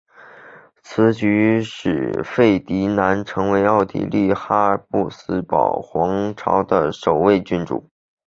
此举使费迪南成为了奥地利哈布斯堡皇朝的首位君主。